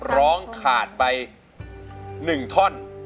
ร้องขาดไปหนึ่งท่อน